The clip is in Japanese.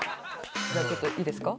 じゃあちょっといいですか？